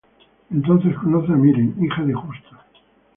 Entonces conoce a Miren, hija de Justo.